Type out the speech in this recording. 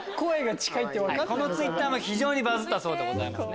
このＴｗｉｔｔｅｒも非常にバズったそうでございます。